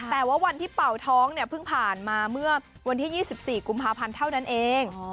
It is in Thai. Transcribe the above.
แต่ว่าวันที่เป่าท้องเนี่ยเพิ่งผ่านมาเมื่อวันที่๒๔กุมภาพันธ์เท่านั้นเอง